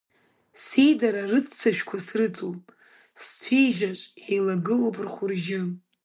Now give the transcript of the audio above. Сеидара рыццышәқәа срыҵоуп, сцәеижьаҿ еилагылоуп рхәы-ржьы.